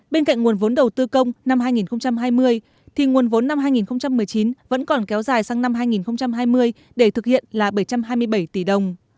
bên cạnh nguồn vốn đầu tư công năm hai nghìn hai mươi thì nguồn vốn năm hai nghìn một mươi chín vẫn còn kéo dài sang năm hai nghìn hai mươi để thực hiện là bảy trăm hai mươi bảy tỷ đồng